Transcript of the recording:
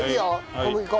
小麦粉。